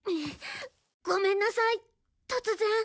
ごめんなさい突然。